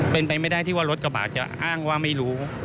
เป็นไปไม่ได้ที่ว่ารถกระบะจะอ้างว่าไม่รู้